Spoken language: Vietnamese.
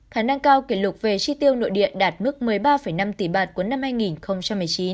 khả năng cao kỷ lục về chi tiêu nội địa đạt mức một mươi ba năm tỷ bạt cuối năm hai nghìn một mươi chín